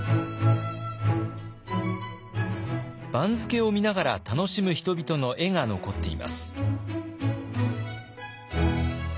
番付を見ながら楽しむ人々の絵が残っています。